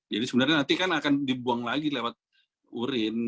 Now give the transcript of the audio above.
jadi sebenarnya nanti kan akan dibuang lagi lewat urin